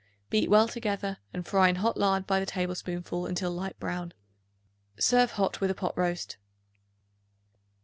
Beat well together and fry in hot lard by the tablespoonful until light brown. Serve hot with a pot roast.